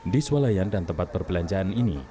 di sualayan dan tempat perbelanjaan ini